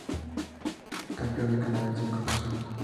Campeón de Canadá en cinco ocasiones.